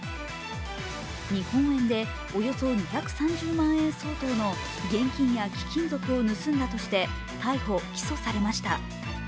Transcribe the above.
日本円でおよそ２３０万円相当の現金や貴金属を盗んだとして逮捕・起訴されました。